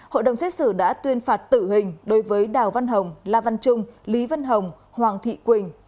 hội đồng xét xử đã tuyên phạt tử hình đối với đào văn hồng la văn trung lý vân hồng hoàng thị quỳnh